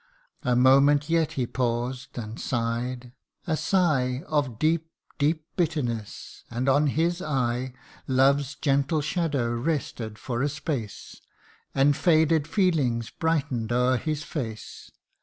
72 THE UNDYING ONE. A moment yet he paused, and sigh'd a sigh Of deep, deep bitterness ; and on his eye Love's gentle shadow rested for a space And faded feelings brighten'd o'er his face.